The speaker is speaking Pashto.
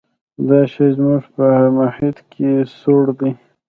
دا شی زموږ په محیط کې سوړ دی.